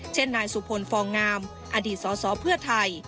เช่นนายสุพลฟองงามอดีตสสเพื่อไทย